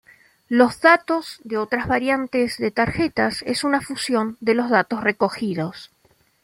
Los datos de otras variantes de tarjetas es una fusión de los datos recogidos.